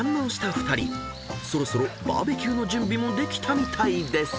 ［そろそろバーベキューの準備もできたみたいです］